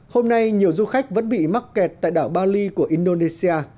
hôm nay nhiều du khách vẫn bị mắc kẹt tại đảo bali của indonesia